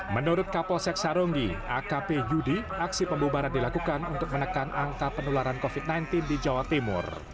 menurut kapolsek saronggi akp yudi aksi pembubaran dilakukan untuk menekan angka penularan covid sembilan belas di jawa timur